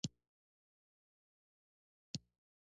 ازادي راډیو د کرهنه په اړه د مخکښو شخصیتونو خبرې خپرې کړي.